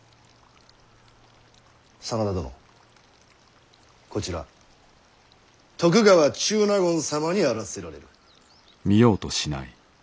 真田殿こちら徳川中納言様にあらせられる。